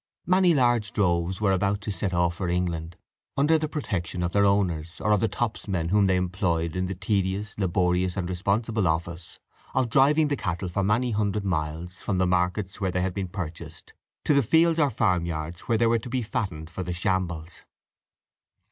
Many large droves were about to set off for England, under the protection of their owners, or of the topsmen whom they employed in the tedious, laborious, and responsible office of driving the cattle for many hundred miles, from the market where they had been purchased to the fields or farm yards where they were to be fattened for the shambles.